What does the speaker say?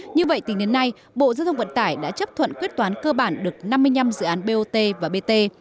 như vậy tính đến nay bộ giao thông vận tải đã chấp thuận quyết toán cơ bản được năm mươi năm dự án bot và bt